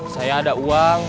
saya ada uang